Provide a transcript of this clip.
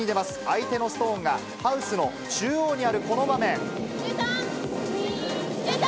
相手のストーンがハウスの中央にあるこの場面。